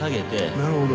なるほど。